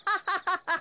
ハハハハハ！